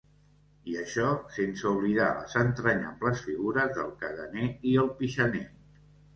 I això sense oblidar les entranyables figures del caganer i el pixaner.